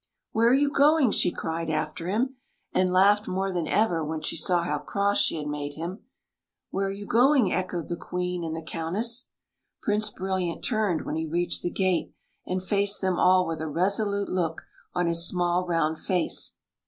" Where are you going ?" she cried after him, and laughed more than ever when she saw how cross she had made him. "Where are you going?" echoed the Queen and the Countess. Prince Brilliant turned when he reached the gate, and faced them all with a resolute look on his small, round face.